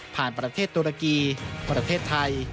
ประเทศตุรกีประเทศไทย